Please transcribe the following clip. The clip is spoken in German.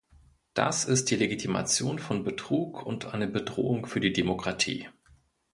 Das ist die Legitimation von Betrug und eine Bedrohung für die Demokratie.